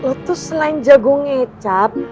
lo tuh selain jago ngecap